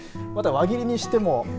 また、輪切りにしても。